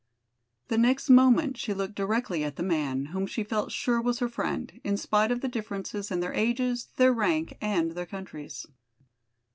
The next moment she looked directly at the man, whom she felt sure was her friend, in spite of the differences in their ages, their rank and their countries.